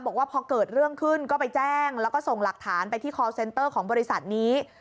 บอกว่าพอเกิดเรื่องขึ้นก็ไปแจ้งแล้วก็ส่งหลักฐานไปที่คอลเซนเตอร์ของบริษัทนี้